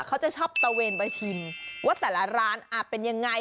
เขาจะชอบตะเวนไปชิมว่าแต่ละร้านเป็นยังไง